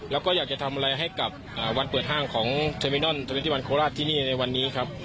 แล้วก็อยากจะทำอะไรให้กับวันเปิดห้างของเทอร์มินอนเทอร์เวนตี้วันโคราชที่นี่ในวันนี้ครับ